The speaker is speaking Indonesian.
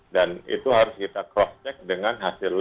dan itu harus kita cross check dengan hasil lab